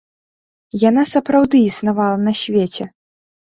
Яна сапраўды існавала на свеце.